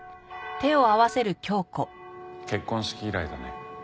結婚式以来だね。